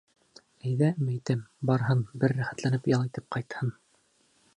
Әйҙә, мәйтәм, барһын, бер рәхәтләнеп ял итеп ҡайтһын.